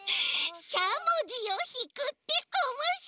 しゃもじをひくっておもしろい！